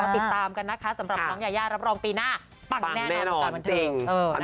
ติดตามกันนะคะสำหรับน้องยายารับรองปีหน้าปังแน่ในวงการบันเทิง